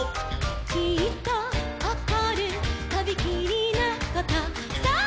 「きっとおこるとびきりなことさあ」